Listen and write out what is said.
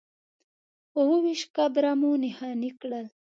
اووه ویشت قبره مو نښانې کړل.